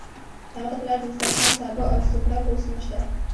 هغه د پلار د دسترخوان سابه او سوکړک اوس نشته.